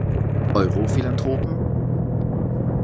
Euro-Philanthropen?